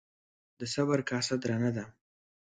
ـ د صبر کاسه درنه ده.